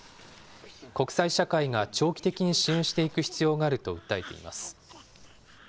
国際社会が長期的に支援していく必要があると訴えています。